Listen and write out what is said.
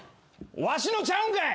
「わしのちゃうんかい！」